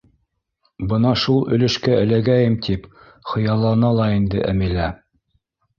Бына шул өлөшкә эләгәйем тип хыяллана ла инде Әмилә.